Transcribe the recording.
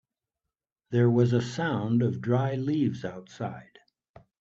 There was a sound of dry leaves outside.